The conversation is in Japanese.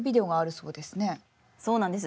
そうなんです。